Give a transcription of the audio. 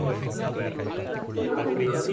Matt Parkman es un oficial de policía de Los Angeles.